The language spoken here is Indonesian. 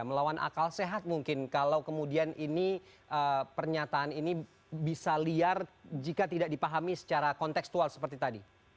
melawan akal sehat mungkin kalau kemudian ini pernyataan ini bisa liar jika tidak dipahami secara konteksual seperti tadi